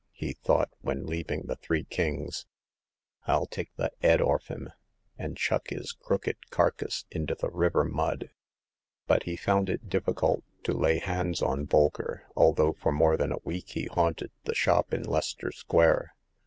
'* he thought, when leaving the Three Kings, 111 take the *ead orf 'm, and chuck 'is crooked karkuss int' the river mud !" But he found it difficult to lay hands on Bolker, although for more than a week he haunted the shop in Leicester Square.